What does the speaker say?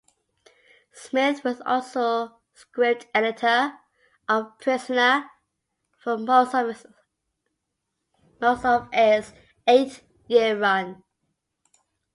Smith was also script editor of "Prisoner" for most of its eight-year run.